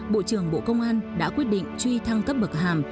bộ trưởng bộ công an đã quyết định truy thăng cấp bậc hàm